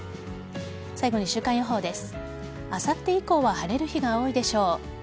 最後に週間予報です。